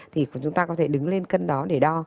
thì chúng ta có thể đứng lên cân đó để đo